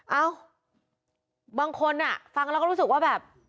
เอ้าบางคนฟังแล้วก็รู้สึกว่าแบบ